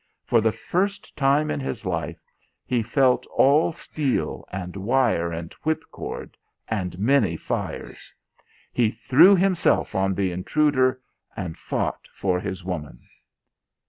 For the first time in his life he felt all steel and wire and whipcord, and many fires. He threw himself on the intruder and fought for his woman.